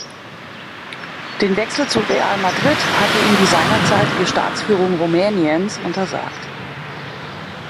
Den Wechsel zu Real Madrid hatte ihm die seinerzeitige Staatsführung Rumäniens untersagt.